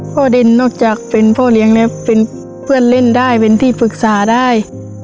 เดนนอกจากเป็นพ่อเลี้ยงแล้วเป็นเพื่อนเล่นได้เป็นที่ปรึกษาได้